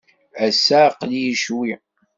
Ass-a, aql-iyi ccwi.